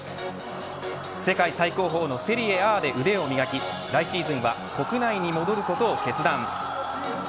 世界最高峰のセリエＡで腕を磨き来シーズンは国内に戻ることを決断。